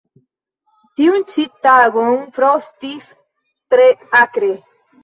Tiun ĉi tagon frostis tre akre.